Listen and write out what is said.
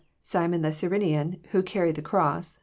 Simon the Cjrrenian, who carried the cross.